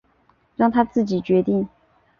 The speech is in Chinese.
让他自己决定